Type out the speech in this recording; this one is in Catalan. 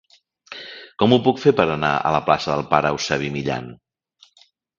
Com ho puc fer per anar a la plaça del Pare Eusebi Millan?